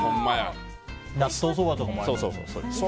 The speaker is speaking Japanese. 納豆そばとかもありますよね。